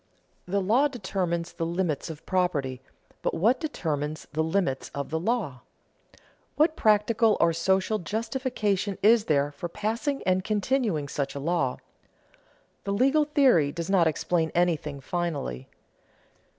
The law determines the limits of property, but what determines the limits of the law? What practical or social justification is there for passing and continuing such law? The legal theory does not explain anything finally.